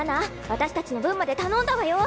あたし達の分まで頼んだわよ。